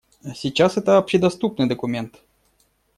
Сейчас это общедоступный документ.